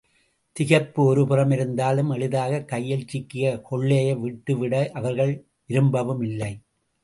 திகைப்பு ஒருபுறம் இருந்தாலும் எளிதாகக் கையில் சிக்கிய கொள்ளையை விட்டுவிட அவர்கள் விரும்பவும் இல்லை.